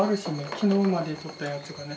昨日までとったやつがね。